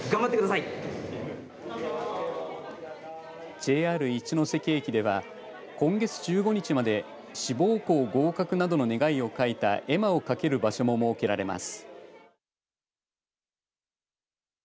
ＪＲ一ノ関駅では今月１５日まで志望校合格などの願いを書いた絵馬を掛ける場所も設けられます。